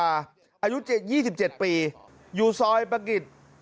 อายุ๒๗ปรีอยู่ซอยปะกิฤต